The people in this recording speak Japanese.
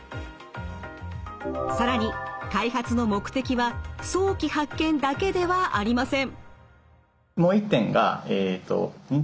更に開発の目的は早期発見だけではありません。